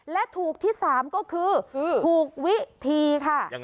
และถูกที่๓ก็คือถูกวิธีค่ะ